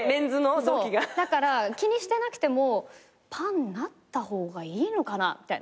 そうだから気にしてなくてもパンになった方がいいのかなみたいな。